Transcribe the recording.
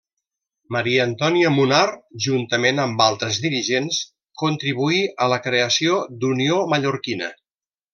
Maria Antònia Munar, juntament amb altres dirigents, contribuí a la creació d'Unió Mallorquina.